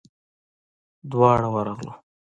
دواړه ورغلو.